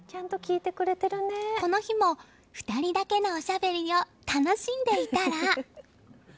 この日も２人だけのおしゃべりを楽しんでいたら。